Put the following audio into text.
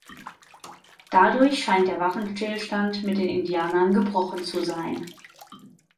Dadurch scheint der Waffenstillstand mit den Indianern gebrochen zu sein.